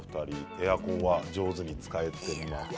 エアコン、上手に使えていますか。